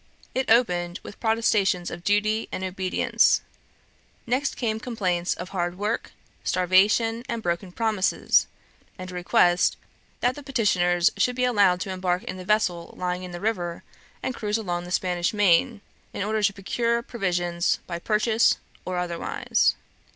It opened with protestations of duty and obedience; next came complaints of hard work, starvation, and broken promises, and a request that the petitioners should be allowed to embark in the vessel lying in the river, and cruise along the Spanish Main, in order to procure provisions by purchase "or otherwise."